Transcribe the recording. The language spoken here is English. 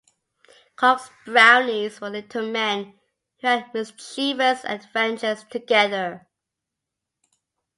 Cox's Brownies were little men who had mischievous adventures together.